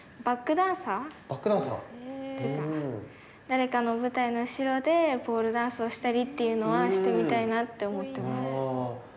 誰かの舞台の後ろでポールダンスをしたりっていうのはしてみたいなって思ってます。